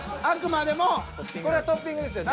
これはトッピングですよね。